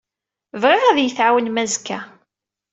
Bɣiɣ ad iyi-tɛawnem azekka.